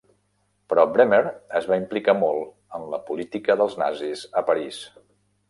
Però Bremer es va implicar molt en la política dels nazis a París.